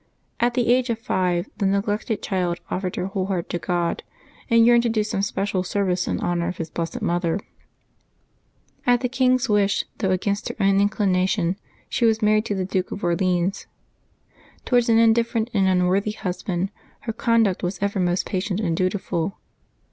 At the age of five the neglected child offered her whole heart to God, and yearned to do some special service in honor of His blessed Mother. At the king 's wish, though against her own inclination, she was married to the Duke of Orleans. Towards an indifferent and unworthy husband her conduct was ever most patient and dutiful.